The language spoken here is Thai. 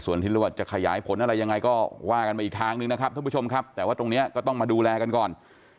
ส่วนที่หรือว่าจะขยายผลอะไรยังไงก็ว่ากันไปอีกทางนึงนะครับท่านผู้ชมครับแต่ว่าตรงนี้ก็ต้องมาดูแลกันก่อน